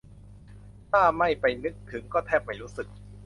ถ้าไม่ไปนึกถึงก็แทบไม่รู้สึก